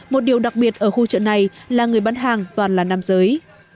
một điều đặc biệt ở khu chợ này là người bán hàng toàn là nam giới